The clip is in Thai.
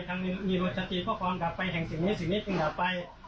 ทางนิรวชติเพราะความดับไปแห่งสิ่งนี้สิ่งนี้จึงดับไป